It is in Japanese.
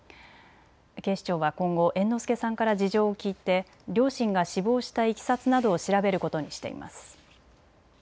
警視庁は今後、猿之助さんから事情を聴いて両親が死亡したいきさつなどを調べることにしています。